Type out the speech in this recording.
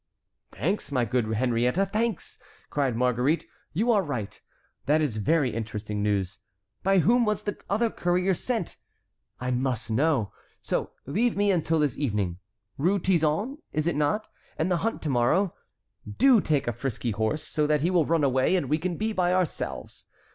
"Thanks, my good Henriette, thanks!" cried Marguerite. "You are right; that is very interesting news. By whom was the other courier sent? I must know. So leave me until this evening. Rue Tizon, is it not? and the hunt to morrow. Do take a frisky horse, so that he will run away, and we can be by ourselves.